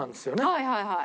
はいはいはい。